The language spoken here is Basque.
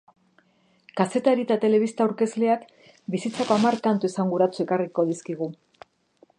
Kazetari eta telebista aurkezleak bizitzako hamar kantu esanguratsu ekarrik dizkigu.